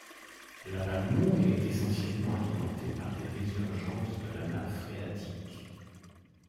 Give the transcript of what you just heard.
La Valmont est essentiellement alimentée par des résurgences de la nappe phréatique.